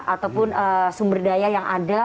ataupun sumber daya yang ada